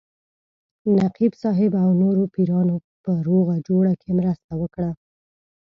نقیب صاحب او نورو پیرانو په روغه جوړه کې مرسته وکړه.